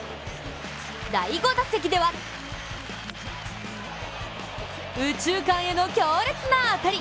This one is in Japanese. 第５打席では右中間への強烈な当たり。